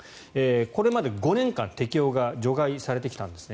これまで５年間適用が除外されてきたんですね。